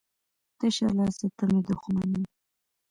تشه لاسه ته مي دښمن يي.